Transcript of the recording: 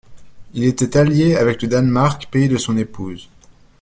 Il était allié avec le Danemark, pays de son épouse.